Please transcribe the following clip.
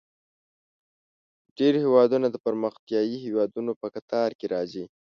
ډیری هیوادونه د پرمختیايي هیوادونو په کتار کې راځي.